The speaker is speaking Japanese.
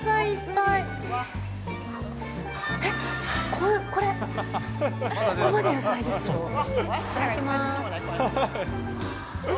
いただきます。